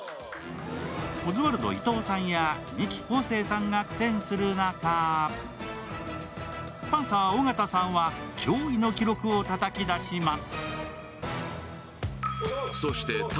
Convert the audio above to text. オズワルド伊藤さんやミキ昴生さんが苦戦する中、パンサー尾形さんは、驚異の記録をたたき出します。